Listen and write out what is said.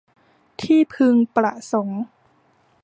ที่พึงประสงค์